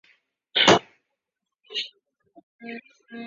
后移驻额尔德尼召。